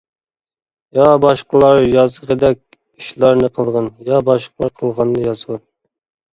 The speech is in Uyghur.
يا باشقىلار يازغىدەك ئىشلارنى قىلغىن، يا باشقىلار قىلغاننى يازغىن.